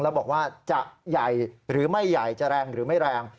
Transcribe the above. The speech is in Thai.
แล้วบอกว่าจะใหญ่หรือไม่ใหญ่จะแรงหรือไม่แรง